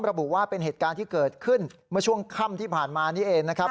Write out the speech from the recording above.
ระบุว่าเป็นเหตุการณ์ที่เกิดขึ้นเมื่อช่วงค่ำที่ผ่านมานี่เองนะครับ